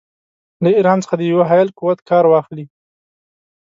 له ایران څخه د یوه حایل قوت کار واخلي.